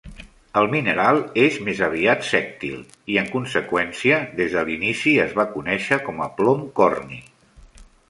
El mineral és més aviat sèctil, i en conseqüència, des de l'inici es va conèixer com a plom corni.